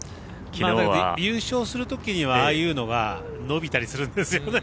優勝するときにはああいうのが伸びたりするんですよね。